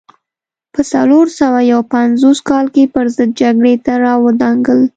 په څلور سوه یو پنځوس کال کې پرضد جګړې ته را ودانګل.